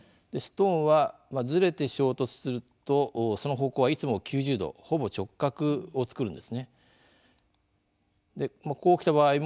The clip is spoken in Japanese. ストーンはずれて衝突するとその方向はいつも９０度ほぼ直角を作るんです。